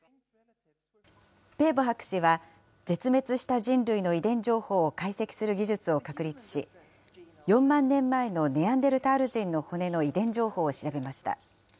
ペーボ博士は絶滅した人類の遺伝情報を解析する技術を確立し、４万年前のネアンデルタール人の骨の遺伝情報を調べました。